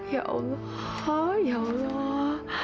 ya allah ya allah